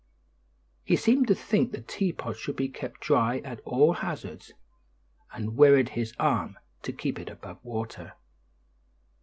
He seemed to think the teapot should be kept dry at all hazards, and wearied his arm to keep it above water.